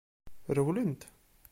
Rewlemt!